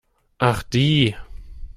Ach die!